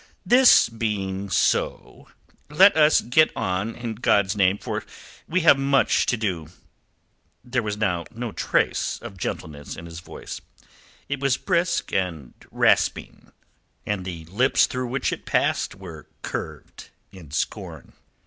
"This being so, let us get on, in God's name; for we have much to do." There was now no trace of gentleness in his voice. It was brisk and rasping, and the lips through which it passed were curved in scorn.